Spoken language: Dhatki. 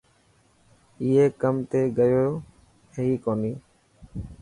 اي ڪم تي گيو هي ڪوني.